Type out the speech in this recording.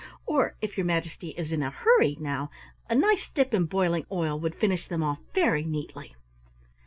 Or, if your Majesty is in a hurry, now, a nice dip in boiling oil would finish them off very neatly!"